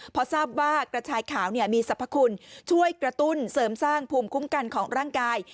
พอทราบว่ากระชายขาวมีสรรพคุณช่วยกระตุ้นเสริมสร้างภูมิคุ้มกันของร่างกาย